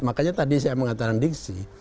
makanya tadi saya mengatakan diksi